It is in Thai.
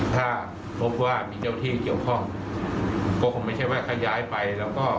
ถ้าพบว่ามีเจ้าที่เกี่ยวข้องก็คงไม่ใช่ว่าถ้าย้ายไปแล้วก็